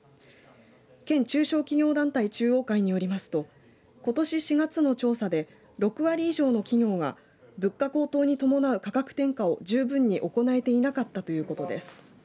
県中小企業団体中央会によりますとことし４月の調査で６割以上の企業が物価高騰に伴う価格転嫁を十分に行えていなかったということです。